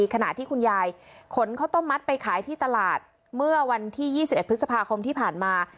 ขณะที่คุณยายขนข้าวต้มมัดไปขายที่ตลาดเมื่อวันที่๒๑พฤษภาคมที่ผ่านมา